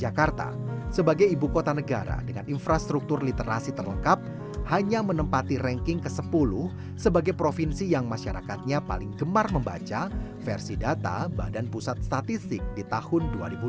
jakarta sebagai ibu kota negara dengan infrastruktur literasi terlengkap hanya menempati ranking ke sepuluh sebagai provinsi yang masyarakatnya paling gemar membaca versi data badan pusat statistik di tahun dua ribu dua puluh